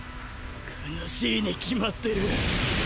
悲しいに決まってる！